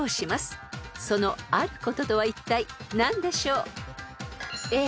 ［そのあることとはいったい何でしょう？］